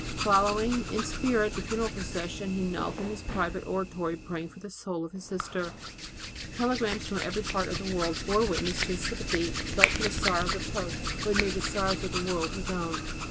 Following in spirit the funeral procession he knelt in his private oratory praying for the soul of his sister. Telegrams from every part of the world bore witness to the sympathy felt for the sorrow of the pope who had made the sorrows of the world his own.